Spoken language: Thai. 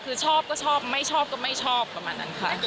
คือชอบก็ชอบไม่ชอบก็ไม่ชอบประมาณนั้นค่ะ